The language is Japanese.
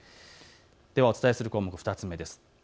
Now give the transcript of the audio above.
お伝えする項目、２つ目です。